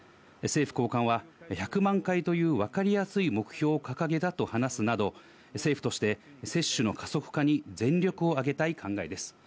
政府高官は１００万回というわかりやすい目標を掲げたと話すなど、政府として接種の加速化に全力を挙げたい考えです。